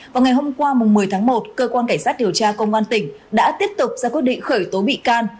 vào ngày hôm qua một mươi tháng một cơ quan cảnh sát điều tra công an tỉnh đã tiếp tục ra quyết định khởi tố bị can